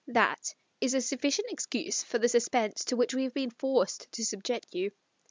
That is a sufficient excuse for the suspense to which we have been forced to subject you.